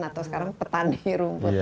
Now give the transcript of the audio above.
atau sekarang petani rumput